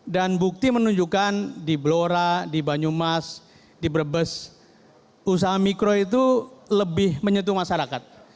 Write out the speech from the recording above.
dan bukti menunjukkan di blora di banyumas di brebes usaha mikro itu lebih menyentuh masyarakat